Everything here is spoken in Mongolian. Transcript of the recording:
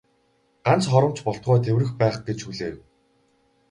Ганц хором ч болтугай тэврэх байх гэж хүлээв.